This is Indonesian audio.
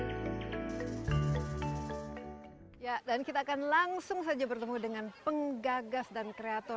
pembicara empat belas ya dan kita akan langsung saja bertemu dengan penggagas dan kreator